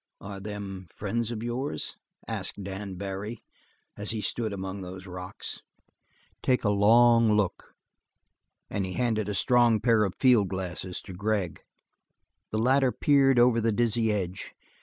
"Are them friends of yours?" asked Dan Barry, as he stood among those rocks. "Take a long look." And he handed a strong pair of field glasses to Gregg. The latter peered over the dizzy edge.